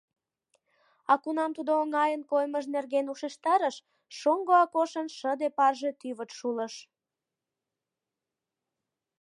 А кунам тудо оҥайын коймыж нерген ушештарыш, шоҥго Акошын шыде парже тӱвыт шулыш.